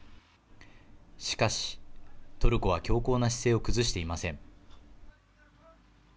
しかし、トルコは強硬な姿勢を崩していません。